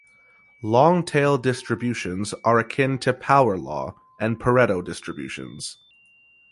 Long tail distributions are akin to power law and Pareto distributions.